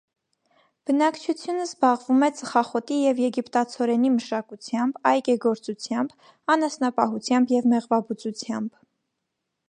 Բնակչությունն զբաղվում է ծխախոտի և եգիպտացորենի մշակությամբ, այգեգործությամբ, անասնապահությամբ և մեղվաբուծությամբ։